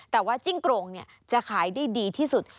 แต่ว่าจิ้งกรงจะขายได้ดีที่สุด